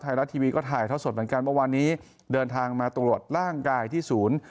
ไทยรัฐทีวีก็ถ่ายทอดสดเหมือนกันเมื่อวานนี้เดินทางมาตรวจร่างกายที่ศูนย์